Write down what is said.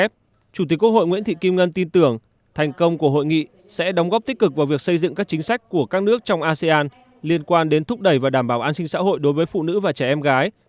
trong đó chủ tịch quốc hội nguyễn thị kim ngân tin tưởng thành công của hội nghị sẽ đóng góp tích cực vào việc xây dựng các chính sách của các nước trong asean liên quan đến thúc đẩy và đảm bảo an sinh xã hội đối với phụ nữ và trẻ em gái